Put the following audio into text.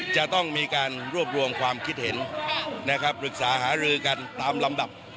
จะต้องมีการรวบรวมความคิดเห็นนะครับปรึกษาหารือกันตามลำดับ